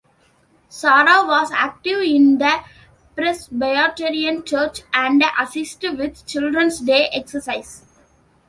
Sarah was active in the Presbyterian church and assisted with Children's Day exercises.